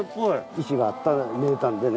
石があったように見えたんでね